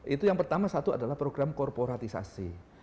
itu yang pertama satu adalah program korporatisasi